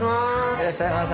いらっしゃいませ。